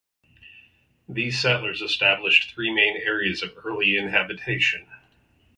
These settlers established three main areas of early inhabitation.